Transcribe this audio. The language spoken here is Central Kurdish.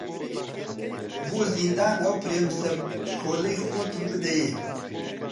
بۆ زیندان ئەو پرێمسە چکۆڵەی خۆتم بدەیە